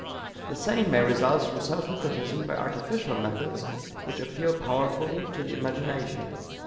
The same may result from self hypnotism by artificial methods which appeal powerfully to the imagination.